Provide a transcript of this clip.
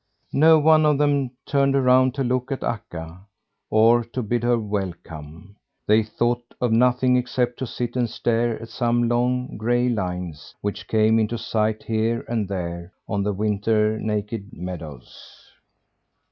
Not one of them turned around to look at Akka, or to bid her welcome. They thought of nothing except to sit and stare at some long, gray lines, which came into sight here and there on the winter naked meadows.